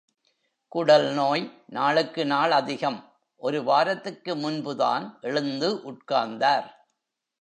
குடல் நோய் நாளுக்கு நாள் அதிகம், ஒரு வாரத்துக்கு முன்புதான் எழுந்து உட்கார்ந்தார்.